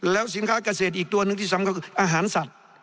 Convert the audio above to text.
แล้วสินค้าเกษตรอีกตัวหนึ่งที่สำคัญคืออาหารสัตว์